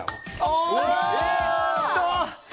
おっと！